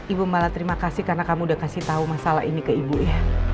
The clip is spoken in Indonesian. ibu mala terima kasih karena kamu udah kasih tahu masalah ini ke ibu ya